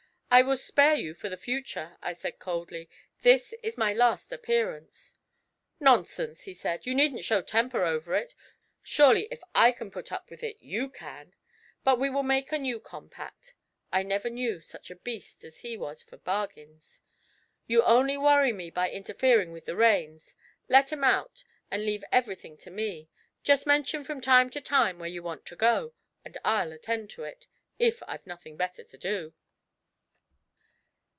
'I will spare you for the future,' I said coldly; 'this is my last appearance.' 'Nonsense,' he said, 'you needn't show temper over it. Surely, if I can put up with it, you can! But we will make a new compact.' (I never knew such a beast as he was for bargains!) 'You only worry me by interfering with the reins. Let 'em out, and leave everything to me. Just mention from time to time where you want to go, and I'll attend to it, if I've nothing better to do.'